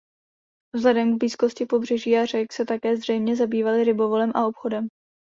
Vzhledem k blízkosti pobřeží a řek se také zřejmě zabývali rybolovem a obchodem.